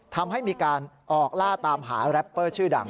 ทำให้มีการออกล่าตามหาแรปเปอร์ชื่อดัง